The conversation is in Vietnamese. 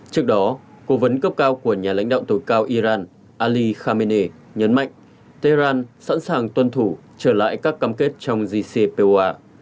trước đó cố vấn cấp cao của nhà lãnh đạo tối cao iran ali khamene nhấn mạnh tehran sẵn sàng tuân thủ trở lại các cam kết trong jcpoa